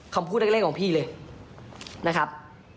คำพูดแรกของพี่เลยนะครับ